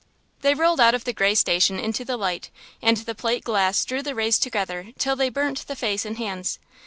They rolled out of the grey station into the light, and the plate glass drew the rays together till they burnt the face and hands.